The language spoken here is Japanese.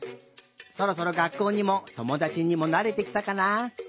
そろそろがっこうにもともだちにもなれてきたかな？